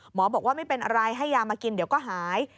บอกว่าไม่เป็นอะไรให้ยามากินเดี๋ยวก็หาย